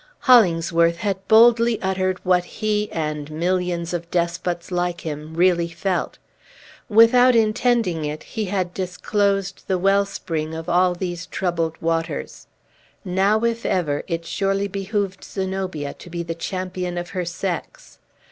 Hollingsworth had boldly uttered what he, and millions of despots like him, really felt. Without intending it, he had disclosed the wellspring of all these troubled waters. Now, if ever, it surely behooved Zenobia to be the champion of her sex.